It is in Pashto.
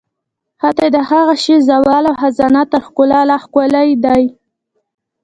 حتی د هغه شي زوال او خزان تر ښکلا لا ښکلی دی.